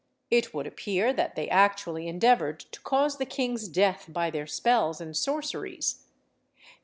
It would appear that they actually endeavoured to cause the king's death by their spells and sorceries.